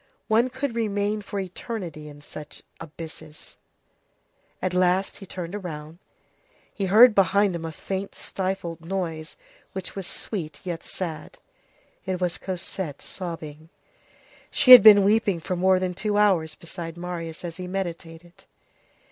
One could remain for eternity in such abysses. At last he turned round. He heard behind him a faint stifled noise, which was sweet yet sad. It was Cosette sobbing. She had been weeping for more than two hours beside Marius as he meditated.